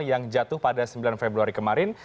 yang jatuh pada sembilan februari kemarin